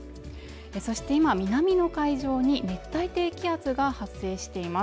そして今南の海上に熱帯低気圧が発生しています。